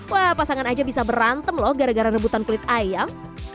wah pasangan aja bisa berantem loh gara gara rebutan kulit ayam